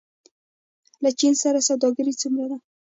له چین سره سوداګري څومره ده؟